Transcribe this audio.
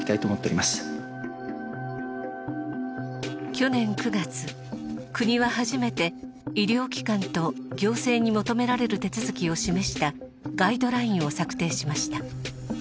去年９月国は初めて医療機関と行政に求められる手続きを示したガイドラインを策定しました。